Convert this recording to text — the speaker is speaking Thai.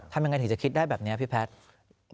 ทำยังไงถึงจะคิดได้แบบนี้พี่แพทย์